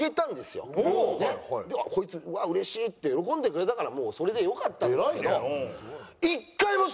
ねっこいつ「うわっ嬉しい」って喜んでくれたからもうそれでよかったんですけど。